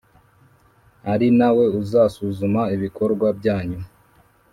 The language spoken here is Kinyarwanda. ari na we uzasuzuma ibikorwa byanyu,